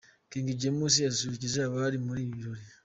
King James yasusurukije abari muri ibi birori.